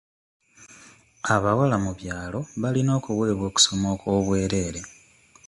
Abawala mu byalo balina okuweebwa okusoma okwobwerere.